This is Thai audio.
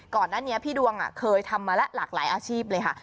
ก่อนหน้านี้พี่ดวงเคยทำมาแล้วหลากหลายอาชีพเลยค่ะ